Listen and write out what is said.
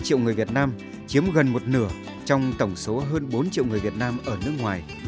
ba triệu người việt nam chiếm gần một nửa trong tổng số hơn bốn triệu người việt nam ở nước ngoài